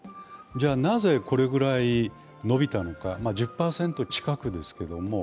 じゃあ、なぜ、これぐらい伸びたのか、１０％近くですけど。